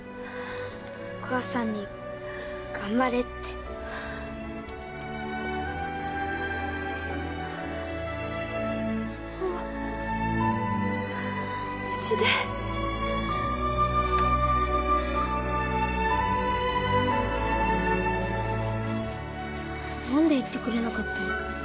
お母さんに頑張れってほう無事で何で言ってくれなかったの？